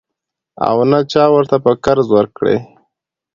او نه چا ورته په قرض ورکړې.